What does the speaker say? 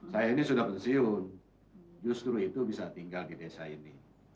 saya ini sudah pensiun justru itu bisa tinggal di desa ini